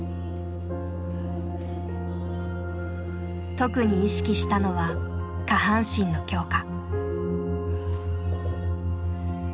特に意識したのは下半身の強化。